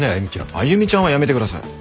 「歩ちゃん」はやめてください。